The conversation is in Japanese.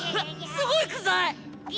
すごいくさい！